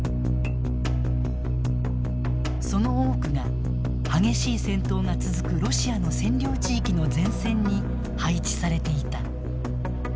その多くが、激しい戦闘が続くロシアの占領地域の前線に配置されていた。